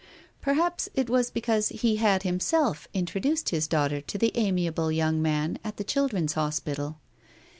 Perhaps it was because he had himself introduced his daughter to the amiable young man at the Children's Hospital.